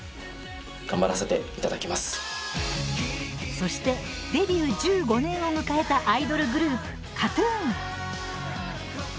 そしてデビュー１５年を迎えたアイドルグループＫＡＴ−ＴＵＮ。